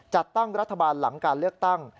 จัดตั้งรัฐบาลหลังการเลือกตั้ง